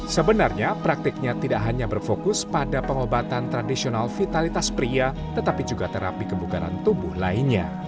sebenarnya praktiknya tidak hanya berfokus pada pengobatan tradisional vitalitas pria tetapi juga terapi kebukaran tubuh lainnya